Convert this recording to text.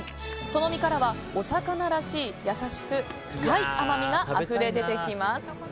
その身からはお魚らしい優しく深い甘みがあふれ出てきます。